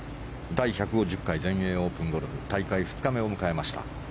第１５０回全英オープンゴルフ大会２日目を迎えました。